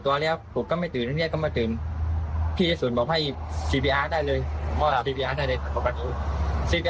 หลายคนเกี่ยวทางครอบครัวแล้ว